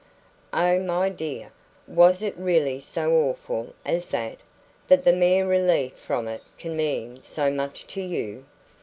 "Oh, my dear, was it really so awful as that that the mere relief from it can mean so much to you?"